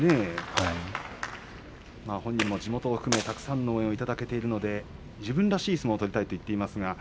本人も地元を含めてたくさんの応援をいただいているので自分らしい相撲を取りたいと言っていますね。